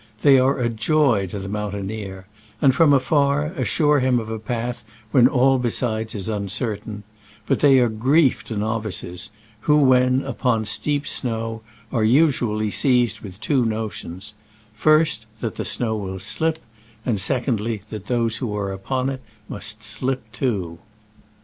They are a joy to the mountaineer, and, from afar, assure him of a path when all besides is uncertain ; but they are grief to novices, who, when upon steep snow, are usually seized with two notions — first, that the snow will slip, and, secondly, that those who are upon it must slip too.